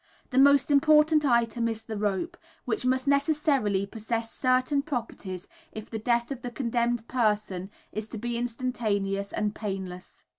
The most important item is the rope, which must necessarily possess certain properties if the death of the condemned person is to be instantaneous and painless.